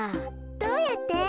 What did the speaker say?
どうやって？